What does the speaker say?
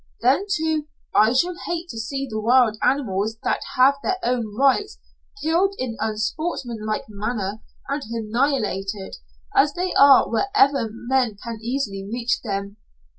Then, too, I shall hate to see the wild animals that have their own rights killed in unsportsmanlike manner, and annihilated, as they are wherever men can easily reach them.